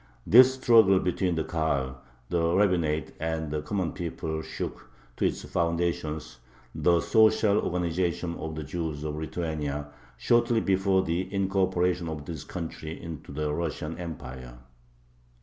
This struggle between the Kahal, the rabbinate, and the common people shook to its foundations the social organization of the Jews of Lithuania shortly before the incorporation of this country into the Russian Empire.